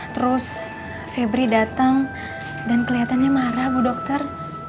terus febri datang dan kelihatannya marah bu dokter